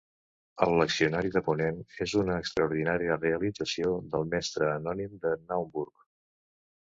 El leccionari de ponent és una extraordinària realització del mestre anònim de Naumburg.